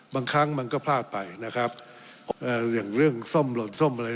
บางครั้งมันก็พลาดไปนะครับเอ่ออย่างเรื่องส้มหล่นส้มอะไร